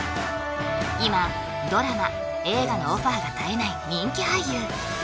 今ドラマ映画のオファーが絶えない人気俳優